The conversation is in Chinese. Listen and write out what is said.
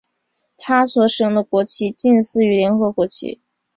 它所使用的国旗近似于联合国旗。